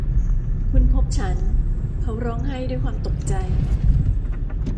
คุณพบฉัน ! เขาร้องไห้ด้วยความตกใจ